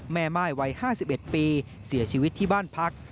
แม่ม่ายวัย๕๑ปีเสียชีวิตที่บ้านพัก